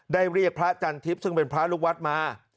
เรียกพระจันทิพย์ซึ่งเป็นพระลูกวัดมา